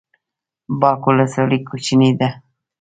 باک ولسوالۍ کوچنۍ ده؟